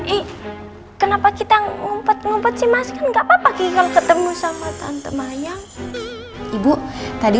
eh kenapa kita ngumpet ngumpet sih mas nggak papa papa ketemu sama tante mayang ibu tadi